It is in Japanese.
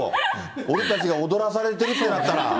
俺たちが躍らされてるってなったら。